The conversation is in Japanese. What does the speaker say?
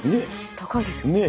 高いですよね。ね。